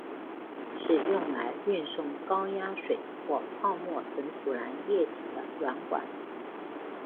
是用来运送高压水或泡沫等阻燃液体的软管。